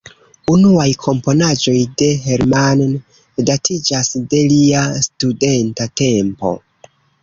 Unuaj komponaĵoj de Hermann datiĝas de lia studenta tempo.